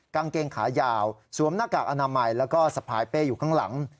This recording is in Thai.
กางเกงขายาวสวมหน้ากากอนามัยแล้วก็สะพายเป้อยู่ข้างหลัง